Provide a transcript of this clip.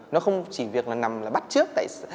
nó không chỉ nằm là bắt trước